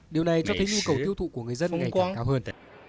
điều này cho thấy nhu cầu tiêu thụ của người dân ngày càng cao hơn